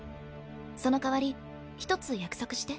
その代わり一つ約束して。